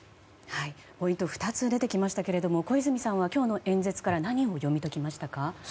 ポイント２つ出てきましたけれども小泉さんは、今日の演説から何を読み解きましたか？